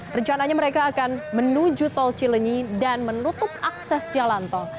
rencananya mereka akan menuju tol cilenyi dan menutup akses jalan tol